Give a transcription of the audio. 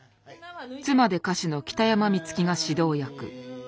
妻で歌手の北山みつきが指導役。